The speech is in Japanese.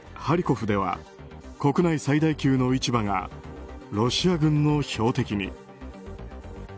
ハリコフでは国内最大級の市場がロシア軍の標的に。